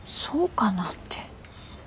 そうかなって。